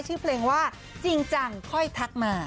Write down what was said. ชื่อเพลงว่าจริงจังค่อยทักมา